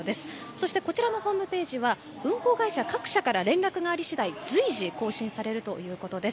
そしてこちらのホームページは運行会社各社から連絡がありしだい随時、更新されるということです。